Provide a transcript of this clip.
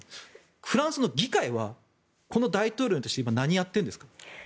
フランスの議会はこの大統領に対して今、何をやっているんですか。